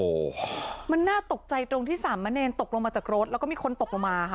โอ้โหมันน่าตกใจตรงที่สามมะเนรตกลงมาจากรถแล้วก็มีคนตกลงมาค่ะ